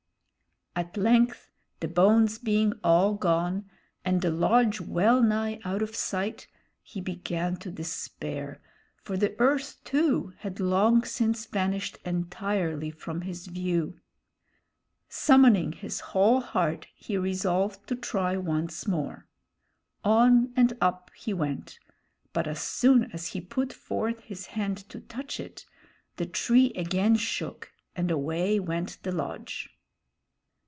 At length the bones being all gone, and the lodge well nigh out of sight, he began to despair, for the earth, too, had long since vanished entirely from his view. Summoning his whole heart, he resolved to try once more. On and up he went, but as soon as he put forth his hand to touch it, the tree again shook, and away went the lodge.